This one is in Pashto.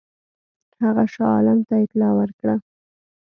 هغه شاه عالم ته اطلاع ورکړه.